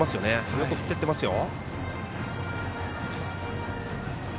よく振っていますよ。